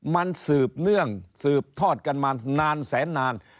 มันสืบเนื่องสืบทอดกันมานานแสนนาน